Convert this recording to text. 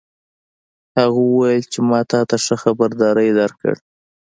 هغه وویل چې ما تا ته ښه خبرداری درکړ